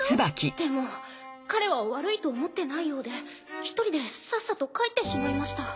でも彼は悪いと思ってないようで一人でさっさと帰ってしまいました。